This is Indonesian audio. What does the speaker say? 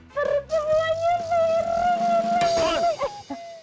seru gua nyusirin